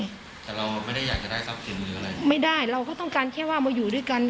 แต่เราไม่ได้อยากจะได้ทรัพย์ฝีมืออะไรไม่ได้เราก็ต้องการแค่ว่ามาอยู่ด้วยกัน